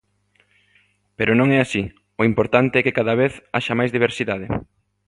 Pero non é así: o importante é que cada vez haxa máis diversidade.